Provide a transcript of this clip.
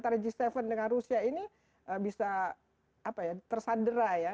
antara g tujuh dengan rusia ini bisa tersandera ya